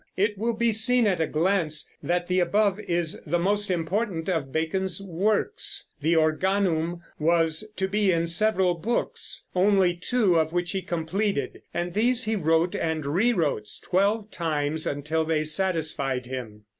It will be seen at a glance that the above is the most important of Bacon's works. The Organum was to be in several books, only two of which he completed, and these he wrote and rewrote twelve times until they satisfied him.